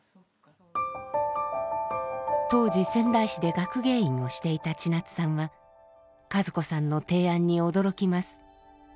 当時仙台市で学芸員をしていたチナツさんは和子さんの提案に驚きます。